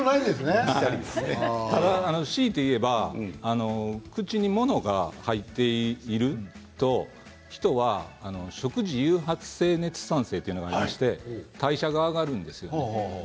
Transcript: ただし強いて言えば口に物が入っていると人は食事誘発性熱産生というのがありまして代謝が上がるんです。